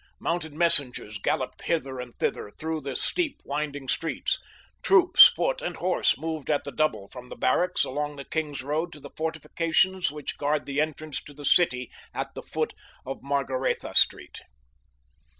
Mounted messengers galloped hither and thither through the steep, winding streets. Troops, foot and horse, moved at the double from the barracks along the King's Road to the fortifications which guard the entrance to the city at the foot of Margaretha Street.